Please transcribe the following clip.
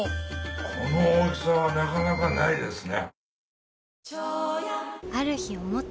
この大きさはなかなかないですね。